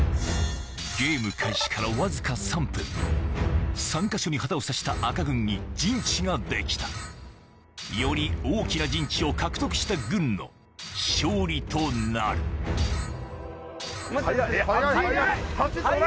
ゲーム開始からわずか３分３か所に旗を挿した赤軍に陣地が出来たより大きな陣地を獲得した軍の勝利となるえっ早い早い！